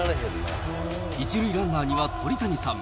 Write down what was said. １塁ランナーには鳥谷さん。